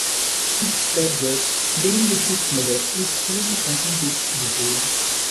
His third verse, dealing with his mother, is truly something to behold.